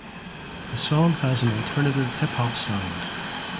The song has an alternative hip hop sound.